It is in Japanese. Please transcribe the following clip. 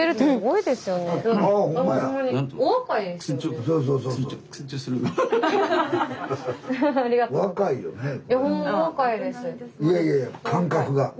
いやいやいや感覚が。